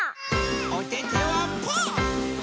おててはパー！